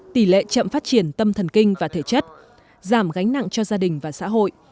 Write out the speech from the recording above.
tỷ lệ chậm phát triển tâm thần kinh và thể chất giảm gánh nặng cho gia đình và xã hội